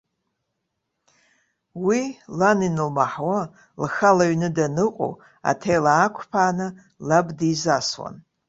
Уи, лан ианылмаҳауа, лхала аҩны даныҟоу, аҭел аақәԥааны, лаб дизасуан.